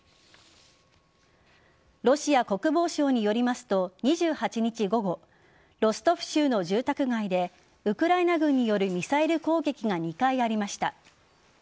ロシア国防省によりますと２８日午後ロストフ州の住宅街でウクライナ軍によるミサイル攻撃が２回ありました。